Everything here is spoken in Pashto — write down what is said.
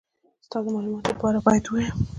ستا د مالوماتو دپاره بايد ووايم.